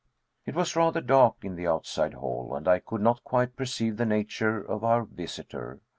It was rather dark in the outside hall, and I could not quite perceive the nature of our visitor.